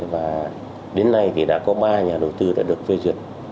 và đến nay thì đã có ba nhà đầu tư đã được phê duyệt